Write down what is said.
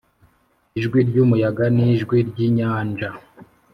ijwi ry'umuyaga n'ijwi ry'inyanja,